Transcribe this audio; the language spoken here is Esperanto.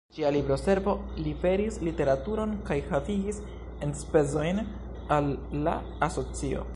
Ĝia Libro-Servo liveris literaturon kaj havigis enspezojn al la asocio.